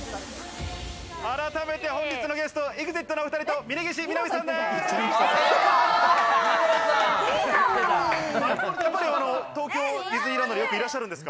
改めて本日のゲスト、ＥＸＩＴの２人と峯岸みなみさんです。